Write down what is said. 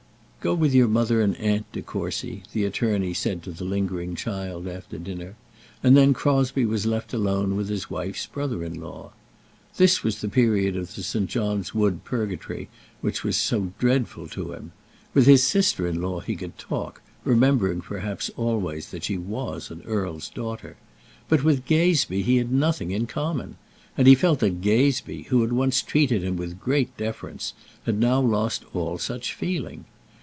"Go with your mother and aunt, De Courcy," the attorney said to the lingering child after dinner; and then Crosbie was left alone with his wife's brother in law. This was the period of the St. John's Wood purgatory which was so dreadful to him. With his sister in law he could talk, remembering perhaps always that she was an earl's daughter. But with Gazebee he had nothing in common. And he felt that Gazebee, who had once treated him with great deference, had now lost all such feeling.